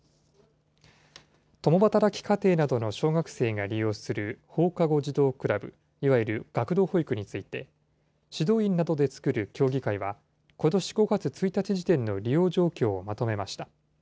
共働き家庭などの小学生が利用する放課後児童クラブ、いわゆる学童保育について、指導員などで作る協議会は、ことし５月１日時点の利用状況をまとめました。